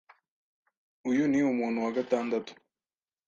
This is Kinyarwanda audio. Uyu ni umuntu wa gatandatu